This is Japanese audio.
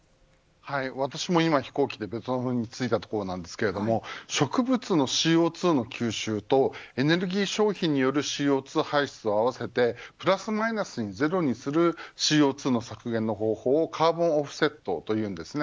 私も今、飛行機でベトナムに着いたところですが植物のＣＯ２の吸収とエネルギー消費によるＣＯ２排出を合わせてプラスマイナスゼロにするＣＯ２の削減の方法をカーボンオフセットといいます。